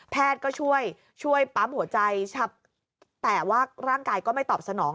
ก็ช่วยช่วยปั๊มหัวใจชับแต่ว่าร่างกายก็ไม่ตอบสนอง